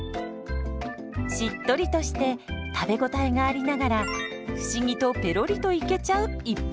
しっとりとして食べ応えがありながら不思議とペロリといけちゃう逸品です。